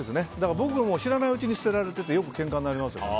僕も知らないうちに捨てられててよくけんかになります。